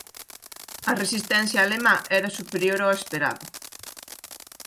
A resistencia alemá era superior ao esperado.